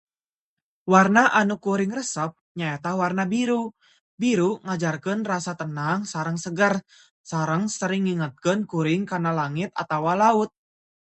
Warna anu kuring resep nyaeta warna biru. Biru ngajarkeun rasa tenang sareng seger, sareng sering ngingetkeun kuring kana langit atawa laut.